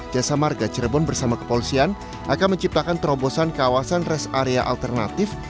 jasa marga cirebon bersama kepolisian akan menciptakan terobosan kawasan rest area alternatif